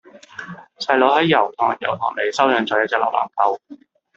細佬喺油塘油塘里收養左一隻流浪狗